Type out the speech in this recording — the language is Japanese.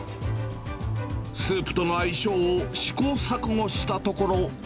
スープとの相性を試行錯誤したところ。